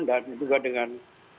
dan juga dengan